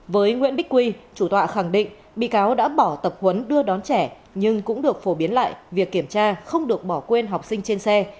với nguyễn bích quy chủ tọa khẳng định bị cáo đã bỏ tập huấn đưa đón trẻ nhưng cũng được phổ biến lại việc kiểm tra không được bỏ quên học sinh trên xe